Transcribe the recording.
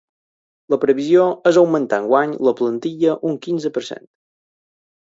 La previsió és augmentar enguany la plantilla un quinze per cent.